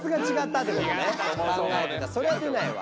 そりゃ出ないわ。